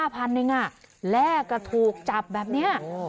๕๐๐๐บาทเนี่ยไงแล้วก็ถูกจับแบบนี้